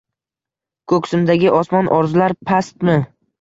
Ko‘ksimdagi osmon — orzular pastmi?